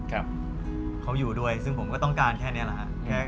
เขาอยู่ด้วยซึ่งผมก็ต้องการแค่เนี้ยแหละ